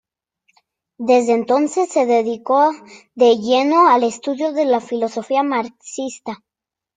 Desde entonces se dedicó de lleno al estudio de la filosofía marxista.